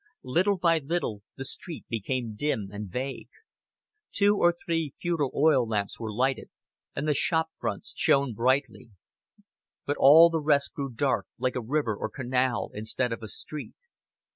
Little by little the street became dim and vague. Two or three futile oil lamps were lighted, and the shop fronts shone brightly, but all the rest grew dark, like a river or a canal instead of a street.